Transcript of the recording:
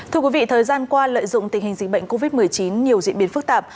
thưa quý vị thời gian qua lợi dụng tình hình dịch bệnh covid một mươi chín nhiều diễn biến phức tạp